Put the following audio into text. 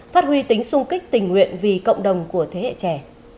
phát huy tính sung kích tình nguyện vì cộng đồng của thế hệ trẻ